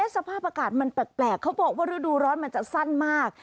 สภาพอากาศมันแปลกเขาบอกว่าฤดูร้อนมันจะสั้นมาก